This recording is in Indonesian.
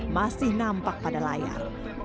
masih nampak pada layar